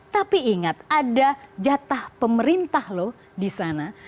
tapi ingat ada jatah pemerintah loh di sana